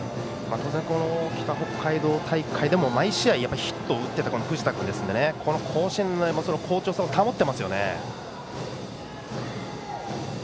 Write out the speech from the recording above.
当然、北北海道大会でも毎試合ヒットを打っていた藤田君ですので甲子園でも好調さを保っていますね。